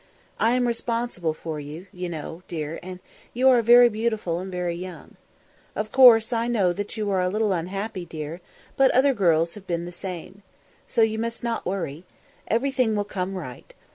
I am responsible for you, you know, dear, and you are very beautiful and very young. Of course I know that you are a little unhappy, dear, but other girls have been the same. So you must not worry. Everything will come right.